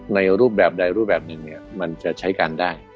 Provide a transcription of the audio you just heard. ในรูปแบบใดมันจะใช้กันได้